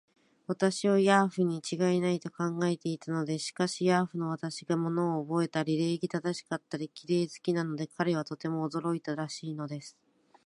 私をヤーフにちがいない、と考えていたのです。しかし、ヤーフの私が物をおぼえたり、礼儀正しかったり、綺麗好きなので、彼はとても驚いたらしいのです。